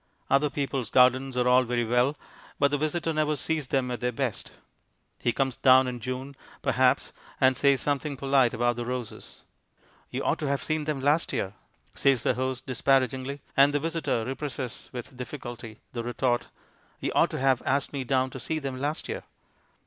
Other people's gardens are all very well, but the visitor never sees them at their best. He comes down in June, perhaps, and says something polite about the roses. "You ought to have seen them last year," says his host disparagingly, and the visitor represses with difficulty the retort, "You ought to have asked me down to see them last year."